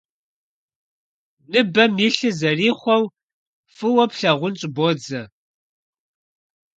Ныбэм илъыр зэрихъуэу фӀыуэ плъагъун щӀыбодзэ.